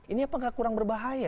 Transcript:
ini apa gak kurang berbahaya